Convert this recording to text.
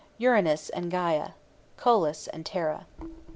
URANUS AND GÆA. (COELUS AND TERRA.)